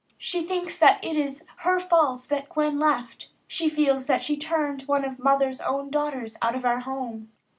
She thinks that it is her fault that Gwen left. She feels that she turned one of Mother's own daughters out of our home."